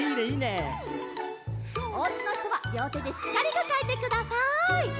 おうちのひとはりょうてでしっかりかかえてください。